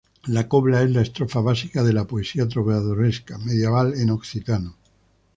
La cobla es la estrofa básica de la poesía trovadoresca medieval en occitano.